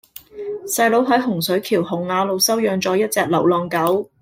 細佬喺洪水橋洪雅路收養左一隻流浪狗